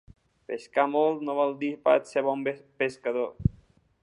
Pescar molt no vol dir pas ser bon pescador.